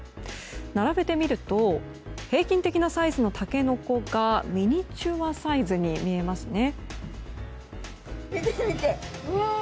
並べてみると平均的なサイズのタケノコがミニチュアサイズに見えますね。